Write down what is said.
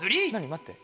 待って。